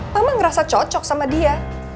mama ngerasa cocok sama dia